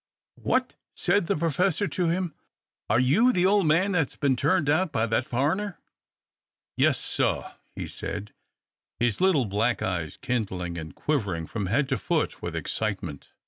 "What!" said the Professor to him, "are you the old man that has been turned out by that foreigner?" "Yes, sah!" he said, his little black eyes kindling, and quivering from head to foot with excitement.